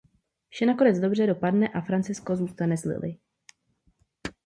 Vše nakonec dobře dopadne a Francesco zůstane s Lilly.